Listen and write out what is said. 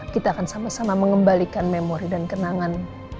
kita akan sama sama mengembalikan memori dan kenangan